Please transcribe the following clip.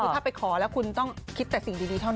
คือถ้าไปขอแล้วคุณต้องคิดแต่สิ่งดีเท่านั้น